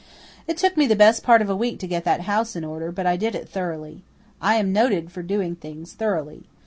It took me the best part of a week to get that house in order, but I did it thoroughly. I am noted for doing things thoroughly.